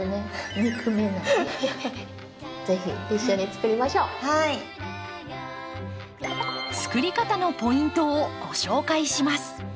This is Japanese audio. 作り方のポイントをご紹介します。